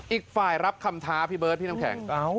อีกฝ่ายรับคำท้าพี่เบิร์ดพี่น้ำแข็ง